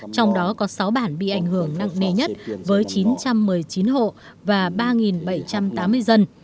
trong đó có sáu bản bị ảnh hưởng nặng nề nhất với chín trăm một mươi chín hộ và ba bảy trăm tám mươi dân